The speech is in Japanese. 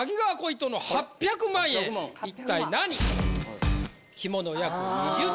一体何？